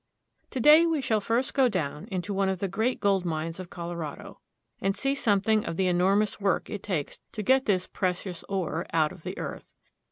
TO DAY we shall first go down into one of the great gold mines of Colorado, and see something of the enormous work it takes to get this precious ore out of the earth.